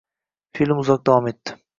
Film uzoq davom etdi.